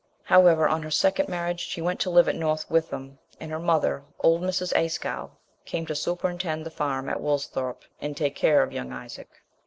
However, on her second marriage she went to live at North Witham, and her mother, old Mrs. Ayscough, came to superintend the farm at Woolsthorpe, and take care of young Isaac.